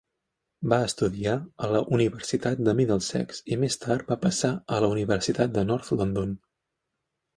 Va estudiar a la Universitat de Middlesex, i més tard va passar a la Universitat de North London.